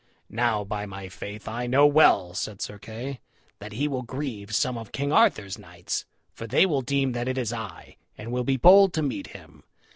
"Now, by my faith, I know well," said Sir Kay, "that he will grieve some of King Arthur's knights, for they will deem that it is I, and will be bold to meet him.